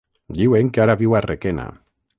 Diuen que ara viu a Requena.